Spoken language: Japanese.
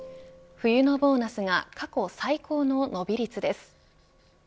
冬のボーナスが過去最高の伸び率です。